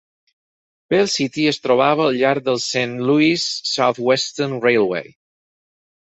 Bell City es trobava al llarg del Saint Louis Southwestern Railway.